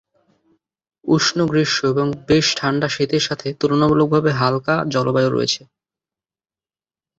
উষ্ণ গ্রীষ্ম এবং বেশ ঠান্ডা শীতের সাথে তুলনামূলকভাবে হালকা জলবায়ু রয়েছে।